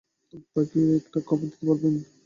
তাকে কি একটা খবর দিতে পারবেন?